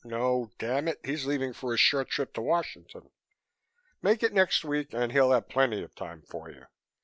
No, damn it! He's leaving for a short trip to Washington. Make it next week and he'll have plenty of time for you."